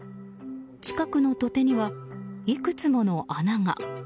近くの土手にはいくつもの穴が。